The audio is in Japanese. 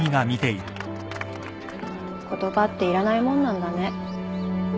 言葉っていらないもんなんだね。